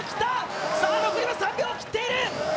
残りは３秒を切っている。